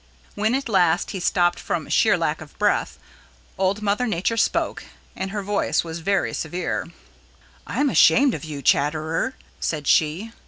When at last he stopped from sheer lack of breath, Old Mother Nature spoke, and her voice was very severe. "I'm ashamed of you, Chatterer," said she.